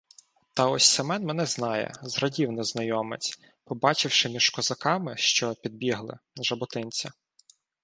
Та ось Семен мене знає, — зрадів незнайомець, побачивши між козаками, що підбігли, жаботинця.